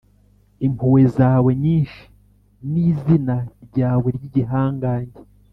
impuhwe zawe nyinshi n’izina ryawe ry’igihangange,